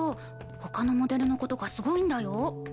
他のモデルの子とかすごいんだよ。